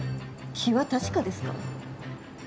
気は確かですか？